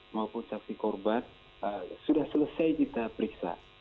maupun saksi korban sudah selesai kita periksa